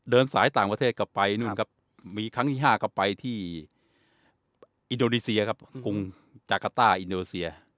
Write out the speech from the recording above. เดินสายต่างประเทศกลับไปนู่นครับมีครั้งที่๕ก็ไปที่อินโดนีเซียครับกรุงจากาต้าอินโดนีเซีย